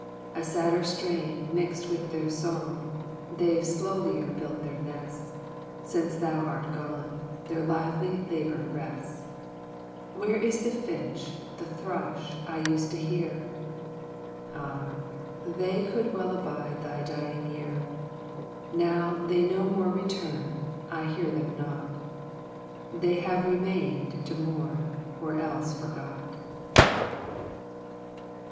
"A sadder strain mixed with their song, They've slowlier built their nests; Since thou art gone Their lively labor rests. "Where is the finch, the thrush I used to hear? Ah, they could well abide The dying year. "Now they no more return, I hear them not; They have remained to mourn; Or else forgot."